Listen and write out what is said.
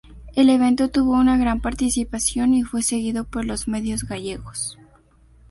El evento tuvo una gran participación y fue seguido por los medios gallegos.